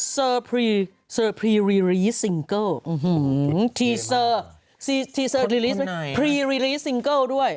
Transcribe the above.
เซอร์พรีซิงเกิ้ลอื้อหือทีเซอร์ทีเซอร์พรีซิงเกิ้ลด้วย